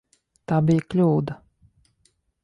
Tā bija kļūda.